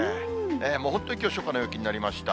本当にきょう、初夏の陽気になりました。